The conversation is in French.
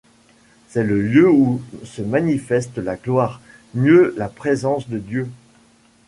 C’est le lieu où se manifeste la gloire, mieux la présence de Dieu.